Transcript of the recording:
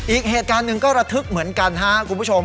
อีกเหตุการณ์หนึ่งก็ระทึกเหมือนกันครับคุณผู้ชม